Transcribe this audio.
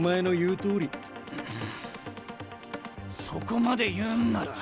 うんそこまで言うんなら。